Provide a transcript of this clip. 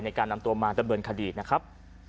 ในการนำตัวมาดะเบิร์นคดีอีกนะครับ